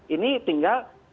ini tinggal perlu ada